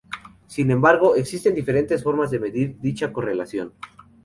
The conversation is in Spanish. Sin embargo, existen diferentes formas de medir dicha correlación.